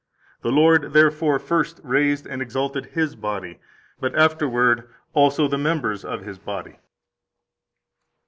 The Lord therefore first raised and exalted His body, but afterward also the members of His body."